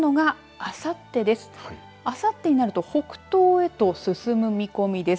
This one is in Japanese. あさってになると北東へと進む見込みです。